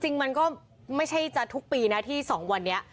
จริงมันก็ไม่ใช่จะทุกปีนะที่๒วันนี้